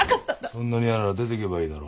そんなに嫌なら出てけばいいだろ。